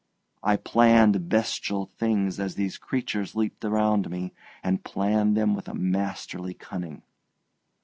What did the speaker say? I planned bestial things as these creatures leaped around me, and planned them with a masterly cunning.